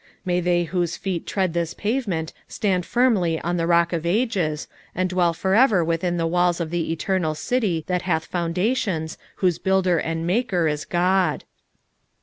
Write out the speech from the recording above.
May they whose feet tread tliis pavement stand firmly on the Rock of Ages, and dwell forever within the walls of the eternal 'city that hath foundations, whose builder and maker is God.'